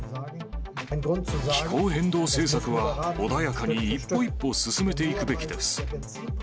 気候変動政策は、穏やかに一歩一歩進めていくべきです。